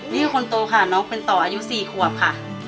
นี่คนโตค่ะน้องเป็นต่ออายุ๔ขวบค่ะ